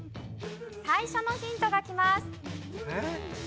最初のヒントがきます。